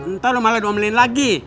ntar lu malah doang beliin lagi